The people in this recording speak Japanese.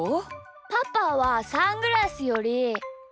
パパはサングラスより。